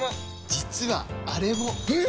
実はあれも！え！？